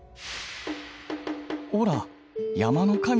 おら山の神。